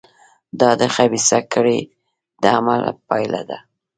دا د خبیثه کړۍ د عمل پایله ده.